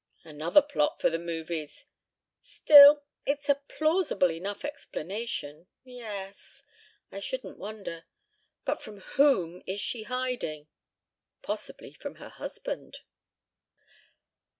"Another plot for the movies ... still it's a plausible enough explanation ... yes ... I shouldn't wonder. But from whom is she hiding?" "Possibly from her husband."